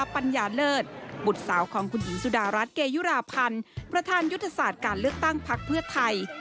ปัญญาเลิศบุตรสาวของคุณหญิงสุดารัฐเกยุราพันธ์ประธานยุทธศาสตร์การเลือกตั้งพักเพื่อไทย